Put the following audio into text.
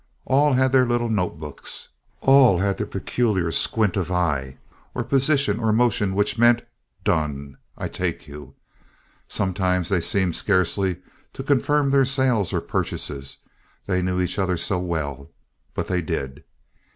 All had their little note books. All had their peculiar squint of eye or position or motion which meant "Done! I take you!" Sometimes they seemed scarcely to confirm their sales or purchases—they knew each other so well—but they did.